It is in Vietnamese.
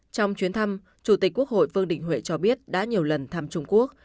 trong chuyến thăm chủ tịch quốc hội vương đình huệ cho biết đã nhiều lần thăm trung quốc